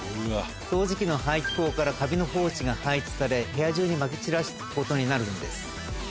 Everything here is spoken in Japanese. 掃除機の排気口からカビの胞子が排出され部屋中にまき散らすことになるんです。